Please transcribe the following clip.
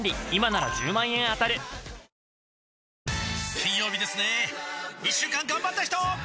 金曜日ですね一週間がんばった人！